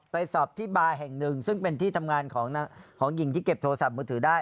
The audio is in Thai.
สอบที่บาร์แห่งหนึ่งซึ่งเป็นที่ทำงานของหญิงที่เก็บโทรศัพท์มือถือได้